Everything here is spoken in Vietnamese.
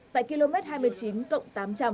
tại km hai mươi chín cộng tám trăm linh